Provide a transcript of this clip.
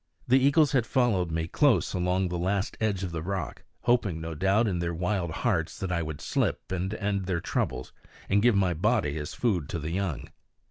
The eagles had followed me close along the last edge of rock, hoping no doubt in their wild hearts that I would slip, and end their troubles, and give my body as food to the young.